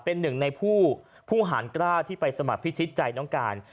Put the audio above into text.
เป็นหนึ่งในผู้หารกล้าที่ไปสมัครพิชิตใจน้องการ